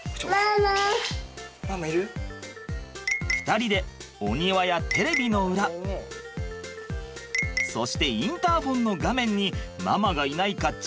２人でお庭やテレビの裏そしてインターホンの画面にママがいないかチェック。